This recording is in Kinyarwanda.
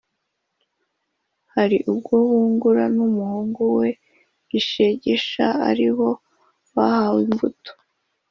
«hari ubwo bungura, n'umuhungu we gishegesha ari bo bahawe imbuto